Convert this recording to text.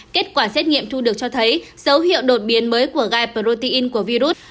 kết quả xét nghiệm thu được cho thấy dấu hiệu đột biến mới của ga protein của virus